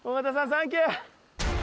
サンキュー